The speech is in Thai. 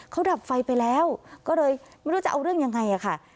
เขาดับไฟไปแล้วก็เลยไม่รู้จะเอาเรื่องยังไงค่ะ